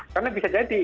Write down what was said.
karena bisa jadi